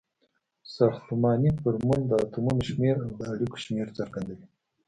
ساختمانی فورمول د اتومونو شمیر او د اړیکو شمیر څرګندوي.